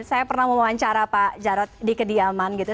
saya pernah mewawancara pak jarod di kediaman gitu